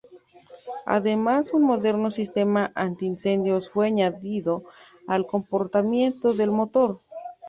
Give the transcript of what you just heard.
Además un moderno sistema anti incendios fue añadido al compartimiento del motor.